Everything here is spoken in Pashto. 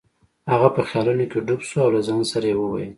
هغه په خیالونو کې ډوب شو او له ځان سره یې وویل.